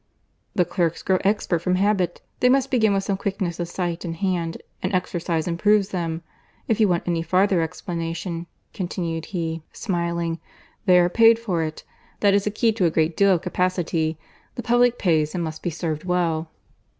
"The clerks grow expert from habit.—They must begin with some quickness of sight and hand, and exercise improves them. If you want any farther explanation," continued he, smiling, "they are paid for it. That is the key to a great deal of capacity. The public pays and must be served well."